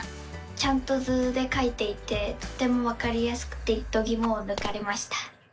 ちゃんと図でかいていてとてもわかりやすくてどぎもをぬかれました！